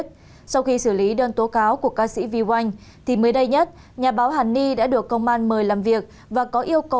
công an tp hcm mời nhà báo hà ni lên làm việc